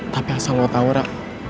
tapi asal lo tau ra